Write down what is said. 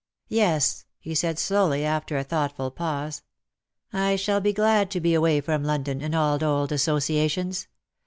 '• Yes," he said, slowly, after a thoughtful pause, "I shall be glad to be away from London, and all old associations.